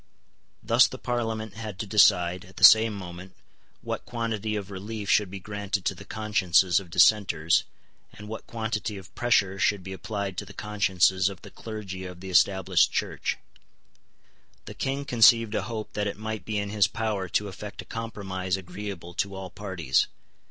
Thus the Parliament had to decide, at the same moment, what quantity of relief should be granted to the consciences of dissenters, and what quantity of pressure should be applied to the consciences of the clergy of the Established Church. The King conceived a hope that it might be in his power to effect a compromise agreeable to all parties.